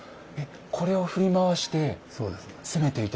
これを振り回して攻めていたわけですか。